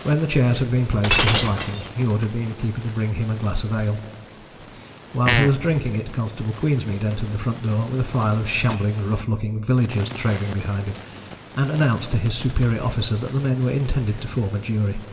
When the chairs had been placed to his liking he ordered the innkeeper to bring him a glass of ale. While he was drinking it Constable Queensmead entered the front door with a file of shambling, rough looking villagers trailing behind him, and announced to his superior officer that the men were intended to form a jury.